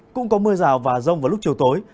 cũng có mưa rào và rông vào lúc chiều tối